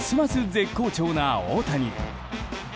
絶好調な大谷。